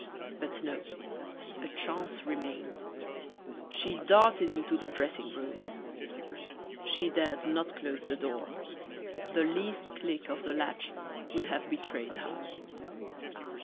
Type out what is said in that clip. But no a chance remained she darted into the dressing room. She dared not close the door; the least click of the latch would have betrayed her.